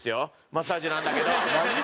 マッサージなんだけど。